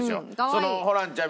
そのホランちゃん